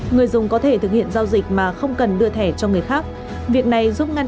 người dùng có thể thực hiện giao dịch mà không cần đưa thẻ cho người khác việc này giúp ngăn